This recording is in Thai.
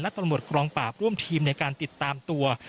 และตำรวจกองปราบร่วมทีมในการติดตามตัว